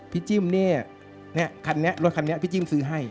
พี่จิ้มนี่รถขัดนี้พี่จิ้มซื้อให้